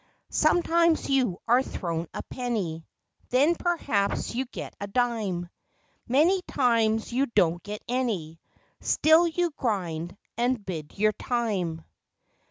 Sometimes you are thrown a penny; Then perhaps you get a dime; Many times you don't get any, Still you grind and bide your time.